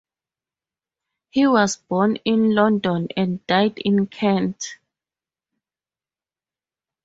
He was born in London and died in Kent.